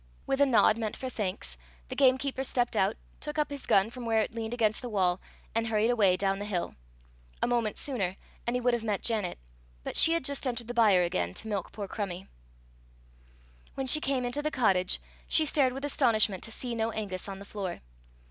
With a nod meant for thanks, the gamekeeper stepped out, took up his gun from where it leaned against the wall, and hurried away down the hill. A moment sooner and he would have met Janet; but she had just entered the byre again to milk poor Crummie. When she came into the cottage, she stared with astonishment to see no Angus on the floor.